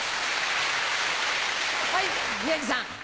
はい宮治さん。